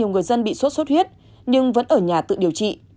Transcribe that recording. nhiều người dân bị sốt xuất huyết nhưng vẫn ở nhà tự điều trị